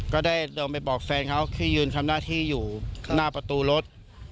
ก็ได้ลงไปบอกแฟนเขาที่ยืนทำหน้าที่อยู่หน้าประตูรถ